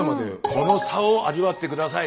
この差を味わって下さい。